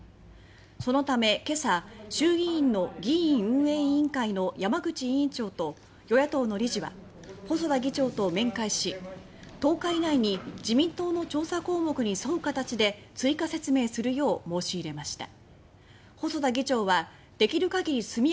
そのため今朝衆議院の議院運営委員会の山口委員長と与野党の理事は細田議長と面会し１０日以内に自民党の調査項目に沿う形で追加説明するよう申し入れました。